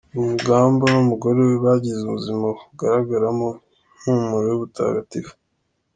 Rugamba n’umugore we bagize ubuzima bugaragaramo impumuro y’ubutagatifu.